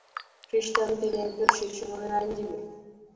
খ্রিস্টান, তিনি একজন শীর্ষ মানের আইনজীবী।